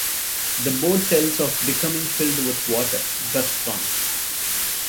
The boat tells of becoming filled with water, thus drunk.